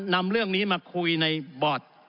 นำเรื่องนี้มาคุยในบอร์ด